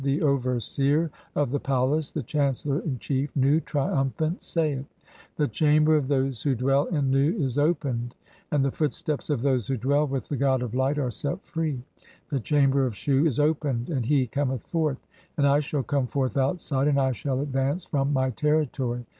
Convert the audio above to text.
The overseer of the palace, the chancellor in chief, Nu, triumphant, saith :— (2) "The chamber of those who dwell in Nu is opened, and the "footsteps of those who dwell with the god of Light are set free. "The chamber of Shu is opened, and he cometh. forth ; and I "shall come forth (3) outside, and I shall advance from my "territory